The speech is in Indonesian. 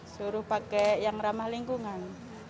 suruh pakai yang ramah lingkungan